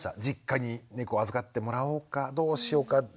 実家に猫預かってもらおうかどうしようか。